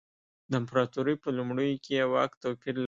د امپراتورۍ په لومړیو کې یې واک توپیر لري.